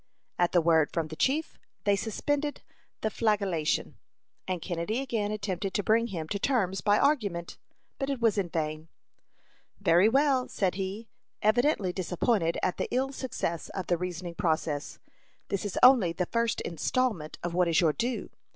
At the word from the chief, they suspended the flagellation, and Kennedy again attempted to bring him to terms by argument, but it was in vain. "Very well," said he, evidently disappointed at the ill success of the reasoning process. "This is only the first installment of what is your due.